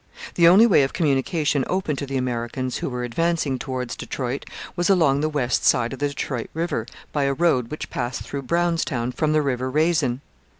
The only way of communication open to the Americans who were advancing towards Detroit was along the west side of the Detroit river by a road which passed through Brownstown from the river Raisin.